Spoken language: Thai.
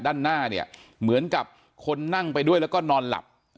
ด้านหน้าเนี่ยเหมือนกับคนนั่งไปด้วยแล้วก็นอนหลับ